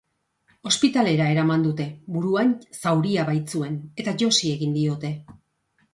Ospitalera eraman dute buruan zauria baitzuen eta josi egin diote.